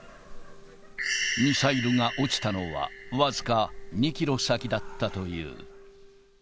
ミサイルが落ちたのは、僅か２キロ先だったという。